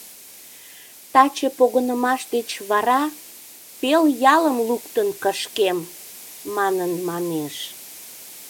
Таче погынымаш деч вара, «пел ялым луктын кышкем» манын манеш.